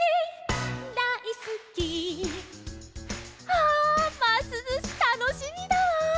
ああますずしたのしみだわ。